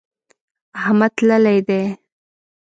احمد تللی دی.